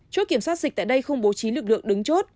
chốt kiểm soát dịch tại đây không bố trí lực lượng đứng chốt